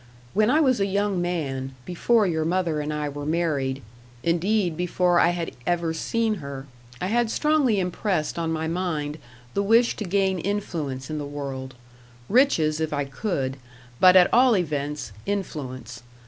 When I was a young man, before your mother and I were married, indeed before I had ever seen her, I had strongly impressed on my mind the wish to gain influence in the world riches if I could but at all events, influence.